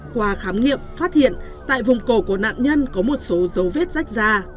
qua khám nghiệm phát hiện tại vùng cổ của nạn nhân có một số dấu vết rách da